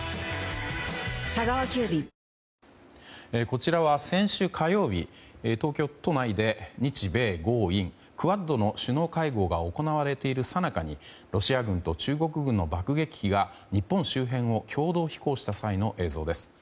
こちらは先週火曜日東京都内で日米豪印クアッドの首脳会合が行われているさなかにロシア軍と中国軍の爆撃機が日本周辺を共同飛行した際の映像です。